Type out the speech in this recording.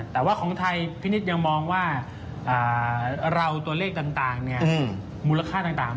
แต่ว่าของไทยพี่นิดยังมองว่าเราตัวเลขต่างมูลค่าต่าง